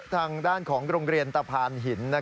ทางด้านของโรงเรียนตะพานหิน